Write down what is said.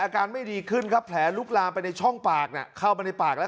อาการไม่ดีขึ้นครับแผลลุกลามไปในช่องปากเข้าไปในปากแล้ว